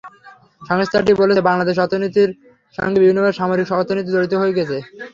সংস্থাটি বলছে, বাংলাদেশের অর্থনীতির সঙ্গে বিভিন্নভাবে সামরিক অর্থনীতি জড়িত হয়ে গেছে।